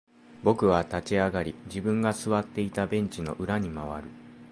僕は立ち上がり、自分が座っていたベンチの裏に回る。